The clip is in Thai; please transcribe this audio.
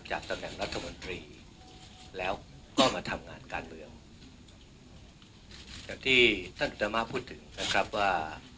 ตำแหน่งรัฐมนตรีแล้วก็มาทำงานการเมืองอย่างที่ท่านอุตมาพูดถึงนะครับว่า